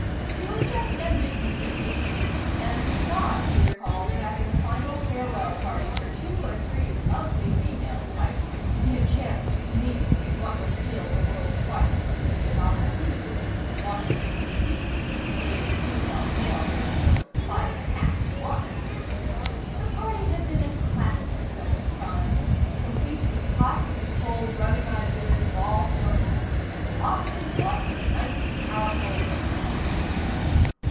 He was just ending his vacation, and he thought he recalled having a final farewell party for two or three lovely female types he had chanced to meet in what was still the world's finest City of Opportunity, Washington, D.C. (latest female to male ratio, five and a half to one). The party had been a classic of its kind, complete with hot and cold running ideas of all sorts, and lots and lots of nice powerful liquor.